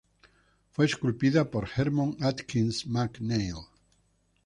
Fue esculpida por Hermon Atkins MacNeil.